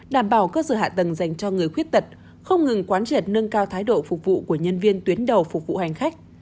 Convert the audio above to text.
đảm bảo cơ sở hạ tầng dành cho người khuyết tật không ngừng quán triệt nâng cao thái độ phục vụ của nhân viên tuyến đầu phục vụ hành khách